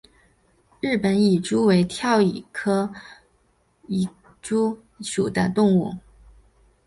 日本蚁蛛为跳蛛科蚁蛛属的动物。